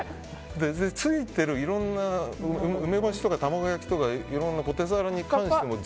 ついているいろんな梅干しとか卵焼きとかいろんなポテサラに関しても。